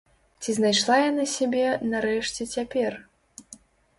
Ці знайшла яна сябе, нарэшце, цяпер?